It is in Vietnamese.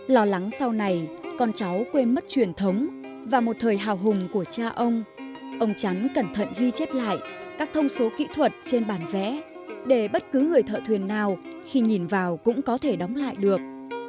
lo lắng sau này con cháu quên mất truyền thống và một thời hào hùng của cha ông ông chắn cẩn thận ghi chép lại các thông số kỹ thuật trên bản vẽ để bất cứ người thợ thuyền nào khi nhìn vào cũng có thể đóng lại được